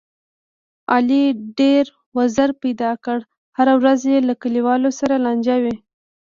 علي ډېر وزر پیدا کړي، هره ورځ یې له کلیوالو سره لانجه وي.